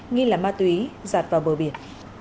nghi là ma túy giặt vào bờ biển